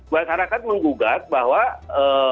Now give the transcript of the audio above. masyarakat menggugat bahwa eee